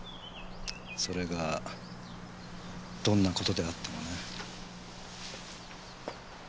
それがどんな事であってもね。